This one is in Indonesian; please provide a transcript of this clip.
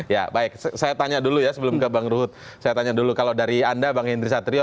ya baik saya tanya dulu ya sebelum ke bang ruhut saya tanya dulu kalau dari anda bang hendry satrio